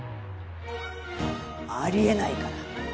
ありえないから。